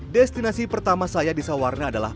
destinasi pertama saya di sawarna adalah